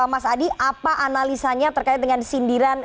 mas adi apa analisanya terkait dengan sindiran